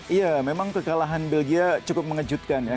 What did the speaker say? iya memang kekalahan belgia cukup mengejutkan ya